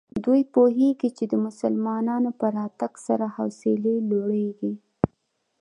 دوی پوهېږي چې د مسلمانانو په راتګ سره حوصلې لوړېږي.